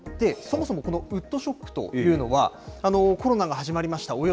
そもそもこのウッドショックというのは、コロナが始まりました